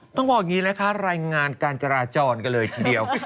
ต้องบอกอย่างนี้นะคะรายงานการจราจรกันเลยทีเดียว